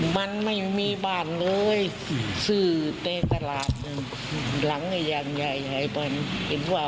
มันไม่มีบ้านเลยซื้อแต่ตลาดหลังอย่างใหญ่ให้มันเห็นว่า